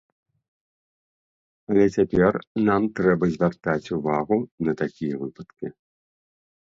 Але цяпер нам трэба звяртаць увагу на такія выпадкі.